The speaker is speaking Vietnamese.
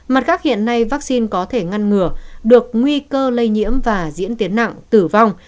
mặt khác hiện nay vaccine có thể ngăn ngừa được nguy cơ lây nhiễm và diễn tiến nặng tử vong